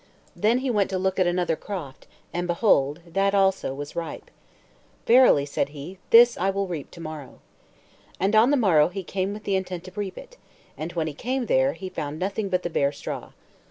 Then he went to look at another croft, and, behold, that also was ripe. "Verily," said he, "this will I reap to morrow." And on the morrow he came with the intent to reap it; and when he came there, he found nothing but the bare straw.